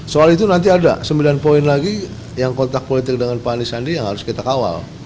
soal itu nanti ada sembilan poin lagi yang kontak politik dengan pak anies sandi yang harus kita kawal